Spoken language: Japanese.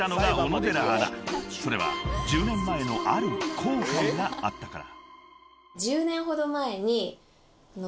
［それは１０年前のある後悔があったから］